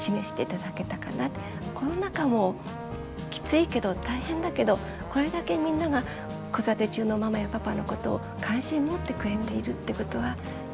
コロナ禍もきついけど大変だけどこれだけみんなが子育て中のママやパパのことを関心持ってくれているってことはうれしかったですね。